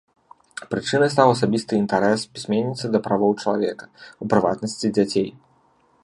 Прычынай стаў асабісты інтарэс пісьменніцы да правоў чалавека, у прыватнасці дзяцей.